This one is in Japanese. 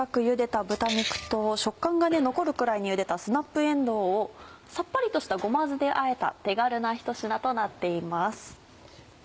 茹でた豚肉と食感がね残るぐらいに茹でたスナップえんどうをさっぱりとしたごま酢であえた手軽なひと品となっています。